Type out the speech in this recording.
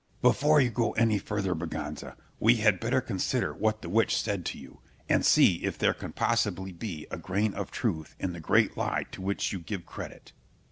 Scip. Before you go any further, Berganza, we had better consider what the witch said to you, and see if there can possibly be a grain of truth in the great lie to which you give credit.